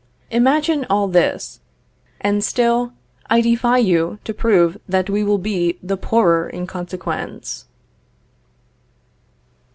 Imagine all this, and still I defy you to prove that we will be the poorer in consequence.